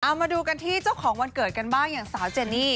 เอามาดูกันที่เจ้าของวันเกิดกันบ้างอย่างสาวเจนี่